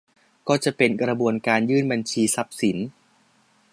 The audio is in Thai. ก็จะเป็นกระบวนการยื่นบัญชีทรัพย์สิน